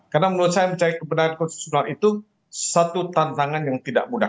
karena menurut saya mencari kebenaran konstitusional itu satu tantangan yang tidak mudah